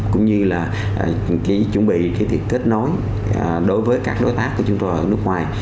cũng như chuẩn bị kết nối đối với các đối tác của chúng tôi ở nước ngoài